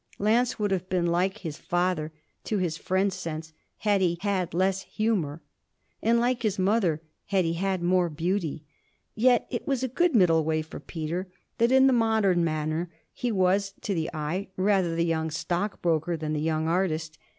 Lance would have been like his father, to his friend's sense, had he had less humour, and like his mother had he had more beauty. Yet it was a good middle way for Peter that, in the modern manner, he was, to the eye, rather the young stock broker than the young artist.